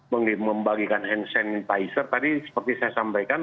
membagikan hand sanitizer tadi seperti saya sampaikan